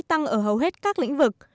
tăng ở hầu hết các lĩnh vực